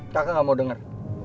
kakak gak mau denger